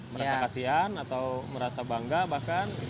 merasa kasihan atau merasa bangga bahkan